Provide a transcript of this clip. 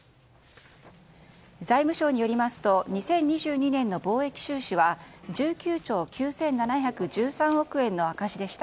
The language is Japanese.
財務省によりますと２０２２年の貿易収支は１９兆９７１３億円の赤字でした。